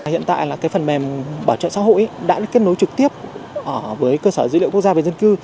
hiện tại là phần mềm bảo trợ xã hội đã được kết nối trực tiếp với cơ sở dữ liệu quốc gia về dân cư